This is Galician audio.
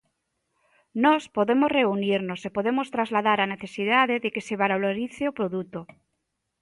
Nós podemos reunirnos e podemos trasladar a necesidade de que se valorice o produto.